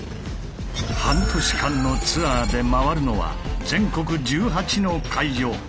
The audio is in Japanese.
半年間のツアーで回るのは全国１８の会場。